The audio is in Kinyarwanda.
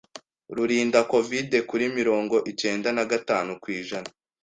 rurinda Covid kuri mirongo icyenda nagatanu kw’ijana